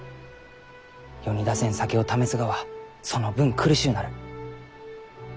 世に出せん酒を試すがはその分苦しゅうなる。